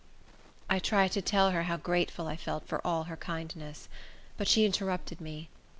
I tried to tell her how grateful I felt for all her kindness. But she interrupted me.